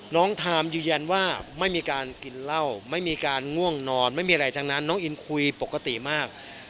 ทามยืนยันว่าไม่มีการกินเหล้าไม่มีการง่วงนอนไม่มีอะไรทั้งนั้นน้องอินคุยปกติมาก